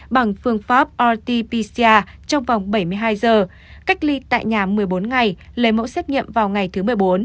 bằng phương pháp rt pcr trong vòng bảy mươi hai giờ cách ly tại nhà một mươi bốn ngày lấy mẫu xét nghiệm vào ngày thứ một mươi bốn